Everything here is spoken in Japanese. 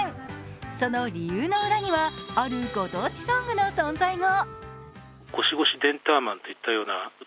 その理由の裏には、あるご当地ソングの存在が。